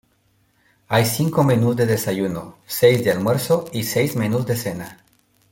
Hay cinco menús de desayuno, seis de almuerzo y seis menús de cena.